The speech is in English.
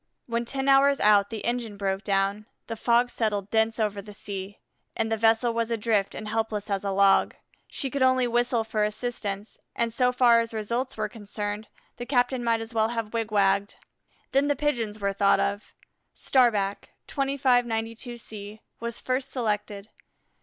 When ten hours out the engine broke down, the fog settled dense over the sea, and the vessel was adrift and helpless as a log. She could only whistle for assistance, and so far as results were concerned, the captain might as well have wigwagged. Then the Pigeons were thought of. Starback, 2592 C, was first selected.